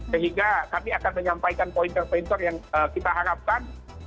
sehingga kami akan menyampaikan poin poin yang kita harapkan